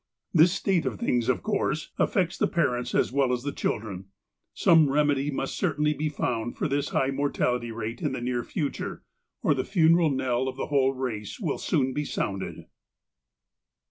This state of things, of course, affects the parents as well as the children. Some remedy must certainly be found for this high mortality rate in the near future, or the funeral knell of the whole race will soon be sounded.